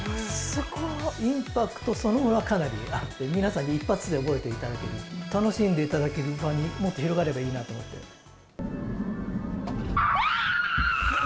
インパクトそのものはかなりあって、皆さんに一発で覚えていただける、楽しんでいただける場にもっと広がればいいなと思ってます。